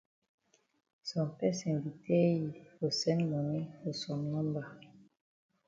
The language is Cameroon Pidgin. Some person be tell yi for send moni for some number.